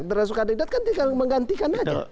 termasuk kandidat kan tinggal menggantikan aja